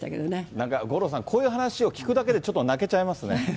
なんか五郎さん、こういう話を聞くだけで、ちょっと泣けちゃいますね。